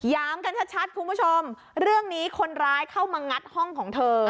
กันชัดคุณผู้ชมเรื่องนี้คนร้ายเข้ามางัดห้องของเธอ